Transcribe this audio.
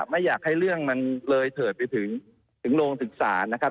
ไม่อยากให้เรื่องมันเลยเถิดไปถึงโรงศึกษานะครับ